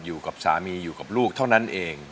อยู่กับสามีอยู่กับลูกเท่านั้นเอง